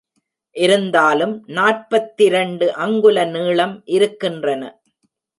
இருந்தாலும் நாற்பத்திரண்டு அங்குல நீளம் இருக்கின்றன.